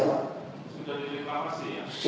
sudah direklamasi ya